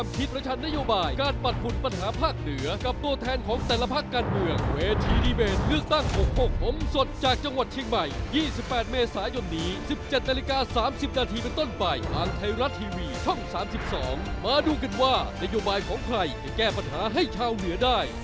ที่เป็นต้นใบทางไทยรัดทีวีช่อง๓๒มาดูกันว่านโยบายของใครจะแก้ปัญหาให้ชาวเหนือได้